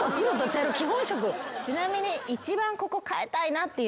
ちなみに。